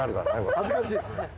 恥ずかしいですね。